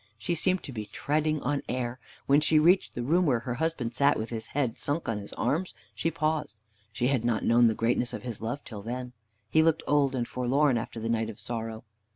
She seemed to be treading on air. When she reached the room where her husband sat with his head sunk on his arms, she paused. She had not known the greatness of his love till then. He looked old and forlorn after the night of sorrow.